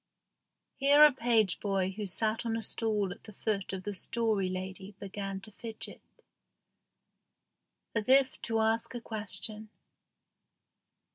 Here a page boy who sat on a stool at the foot of the Story Lady began to fidget, as if to ask a question.